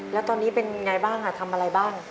แล้วตอนนี้เป็นไงบ้างทำอะไรบ้าง